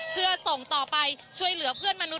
เพื่อส่งต่อไปช่วยเหลือเพื่อนมนุษ